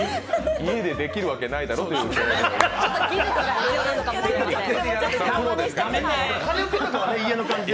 家でできるわけないだろっていう雰囲気が。